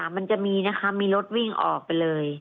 ครั้งที่๓มันจะมีนะครับมีรถวิ่งออกไปเลย